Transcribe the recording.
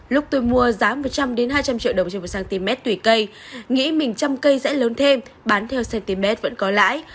lúc tôi mua giá một trăm linh hai trăm linh triệu đồng trên một cm tùy cây nghĩ mình trăm cây sẽ lớn thêm bán theo cm vẫn có lãi